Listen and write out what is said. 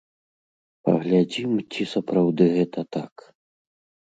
Паглядзім, ці сапраўды гэта так.